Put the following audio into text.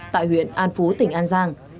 tại huyện an phú tỉnh an giang